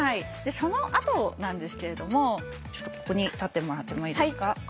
そのあとなんですけれどもちょっとここに立ってもらってもいいですか？